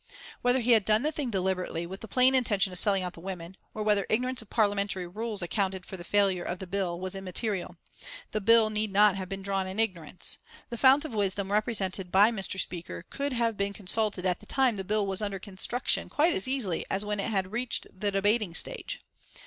Whether he had done the thing deliberately, with the plain intention of selling out the women, or whether ignorance of Parliamentary rules accounted for the failure of the bill was immaterial. The bill need not have been drawn in ignorance. The fount of wisdom represented by Mr. Speaker could have been consulted at the time the bill was under construction quite as easily as when it had reached the debating stage.